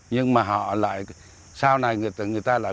nhưng mà họ lại sau này người ta lại quen lại